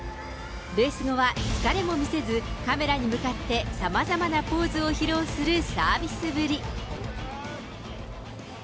レース後は疲れも見せず、カメラに向かって、さまざまなポーズを披露するサービスぶり。